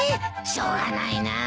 しょうがないなあ。